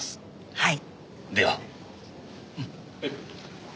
はい。